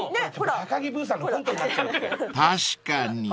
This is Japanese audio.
［確かに］